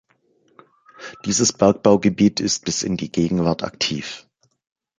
Dieses Bergbaugebiet ist bis in die Gegenwart aktiv.